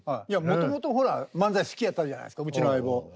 いやもともとほら漫才好きやったじゃないですかうちの相棒。